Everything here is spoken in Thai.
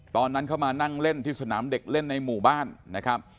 ตอนนั้นเข้ามานั่งเล่นที่สนามเด็กเล่นในหมู่บ้านนะครับ